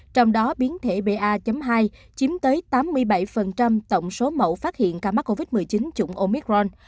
trong đó biến thể ba hai chiếm tới tám mươi bảy tổng số mẫu phát hiện ca mắc covid một mươi chín chủng omicron